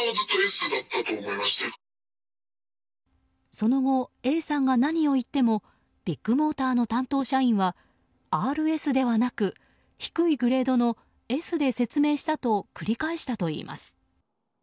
その後、Ａさんが何を言ってもビッグモーターの担当社員はＲＳではなく低いグレードのＳで説明したと繰り返したといいます。